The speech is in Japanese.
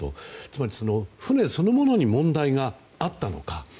つまり船そのものに問題があったのか。